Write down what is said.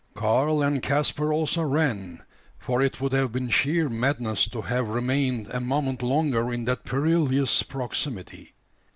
Karl and Caspar also ran: for it would have been sheer madness to have remained a moment longer in that perilous proximity.